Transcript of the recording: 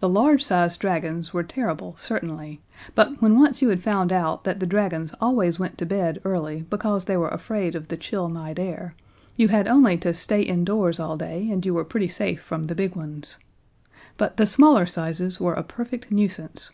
The large size dragons were terrible certainly, but when once you had found out that the dragons always went to bed early because they were afraid of the chill night air, you had only to stay indoors all day, and you were pretty safe from the big ones. But the smaller sizes were a perfect nuisance.